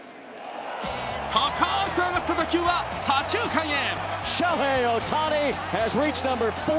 高く上がった打球は左中間へ。